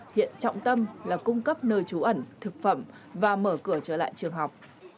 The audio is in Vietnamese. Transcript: hiện trọng tâm là cung cấp nơi trú ẩn thực phẩm và mở cửa trở lại trường học